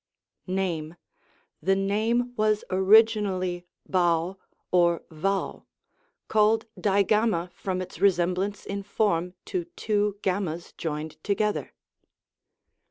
Name. — ^The name was originally J3av or Vau; called Digamma from its resemblance in form to two jT's joined together.